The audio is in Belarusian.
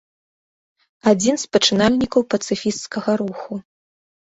Адзін з пачынальнікаў пацыфісцкага руху.